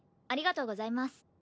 ありがとうございます。